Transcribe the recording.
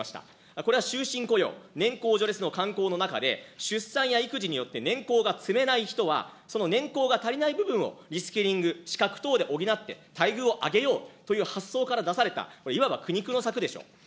これは終身雇用、年功序列の慣行の中で、出産や育児によって年功が積めない人は、その年功が足りない部分をリスキリング、資格等で補って、待遇を上げようという発想から出された、いわば苦肉の策でしょう。